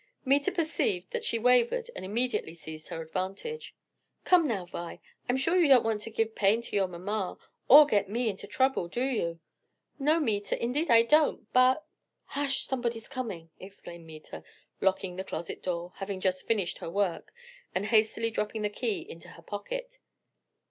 Meta perceived that she wavered and immediately seized her advantage. "Come now, Vi, I'm sure you don't want to give pain to your mamma, or to get me into trouble. Do you?" "No, Meta, indeed I don't, but " "Hush! somebody's coming," exclaimed Meta, locking the closet door, having just finished her work, and hastily dropping the key into her pocket.